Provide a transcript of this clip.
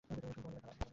সম্মুখে মন্দিরের কানন।